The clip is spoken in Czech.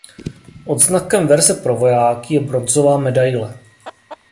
Odznakem verze pro vojáky je bronzová medaile.